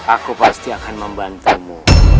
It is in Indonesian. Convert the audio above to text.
aku pasti akan membantumu